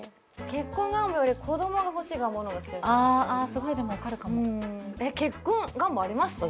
結婚願望より子供が欲しい願望の方が強いかもしれないあすごいでも分かるかも結婚願望ありました？